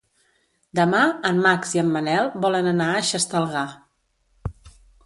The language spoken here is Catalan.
Demà en Max i en Manel volen anar a Xestalgar.